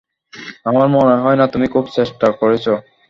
আমার মনে হয় না তুমি খুব চেষ্টা করেছ।